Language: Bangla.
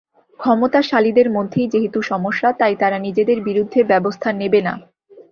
ক্ষমতাশালীদের মধ্যেই যেহেতু সমস্যা, তাই তারা নিজেদের বিরুদ্ধে ব্যবস্থা নেবে না।